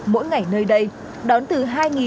mỗi ngày nơi đây đón từ hai năm trăm linh